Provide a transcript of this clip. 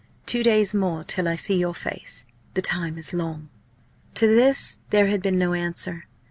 Two days more till I see your face! The time is long!" To this there had been no answer.